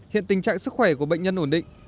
hiện tình trạng sức khỏe của bệnh nhân ổn định